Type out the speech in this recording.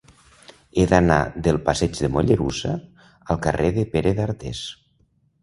He d'anar del passeig de Mollerussa al carrer de Pere d'Artés.